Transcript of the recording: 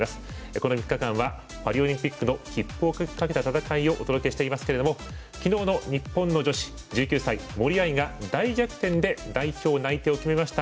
この３日間はパリオリンピックの切符をかけた戦いをお届けしていますけれども昨日の日本の女子１９歳、森秋彩が大逆転で代表内定を決めました。